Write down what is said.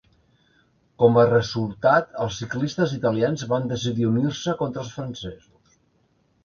Com a resultat els ciclistes italians van decidir unir-se contra els francesos.